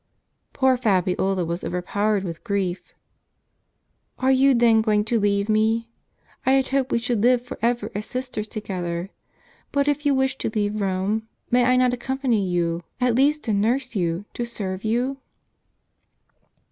Poor Fabiola was overpowered with grief. " Are you then going to leave me? I had hoped we should live for ever as sisters together. But if you wish to leave Rome, may I not accompany you, at least to nurse you, to serve you